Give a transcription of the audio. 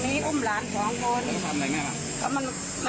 แต่ว่ามันยังไม่ได้อะไรกันเราก็ปัชโภคค่ะ